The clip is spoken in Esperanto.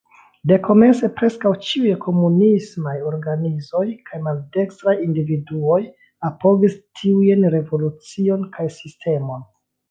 Dekomence preskaŭ ĉiuj komunismaj organizoj kaj maldekstraj individuoj apogis tiujn revolucion kaj sistemon.